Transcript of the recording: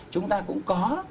chúng ta cũng có